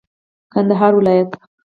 کندهار ولايت